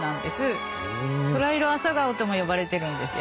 ソライロアサガオとも呼ばれてるんですよ。